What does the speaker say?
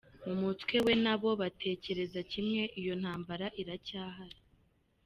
Mu mutwe we n’abo batekereza kimwe iyo ntambara iracyahari.